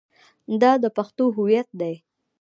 دا د پښتنو هویت دی.